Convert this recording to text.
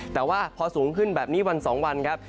แต่ว่าพอสูงขึ้นแบบนี้วัน๒วันครับ